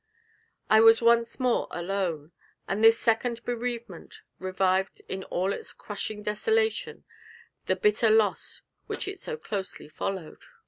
I was once more alone, and this second bereavement revived in all its crushing desolation the first bitter loss which it so closely followed.